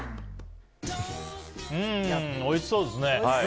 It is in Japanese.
おいしそうですね。